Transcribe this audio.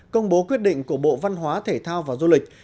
công bố quyết định của bộ văn hóa thể thao và du lịch